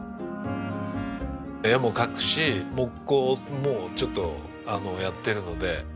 絵も描くし木工もちょっとやってるので。